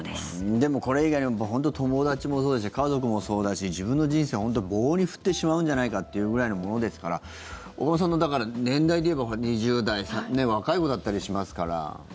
でも、これ以外に友達もそうだし家族もそうだし自分の人生、本当に棒に振ってしまうんじゃないかっていうぐらいのものですから岡本さん、だから年代でいえば２０代若い子だったりしますから。